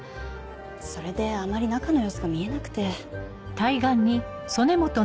それであまり中の様子が見えなくて。